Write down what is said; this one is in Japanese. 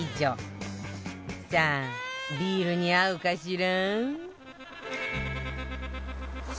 さあビールに合うかしら？